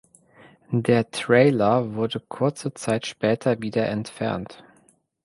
Der Trailer wurde kurze Zeit später wieder entfernt.